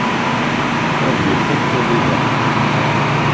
Ad yuf akk talida.